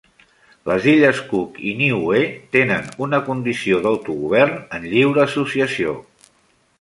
Les Illes Cook i Niue tenen una condició d'"autogovern en lliure associació".